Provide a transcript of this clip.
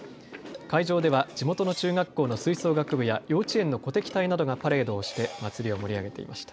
会場では地元の中学校の吹奏楽部や幼稚園の鼓笛隊などがパレードをしてまつりを盛り上げていました。